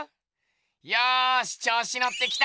よしちょうしのってきた！